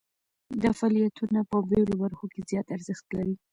دا فعالیتونه په بیلو برخو کې زیات ارزښت لري.